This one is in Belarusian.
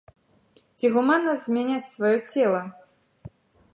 Ці гуманна змяняць сваё цела?